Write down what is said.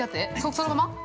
◆そのまま。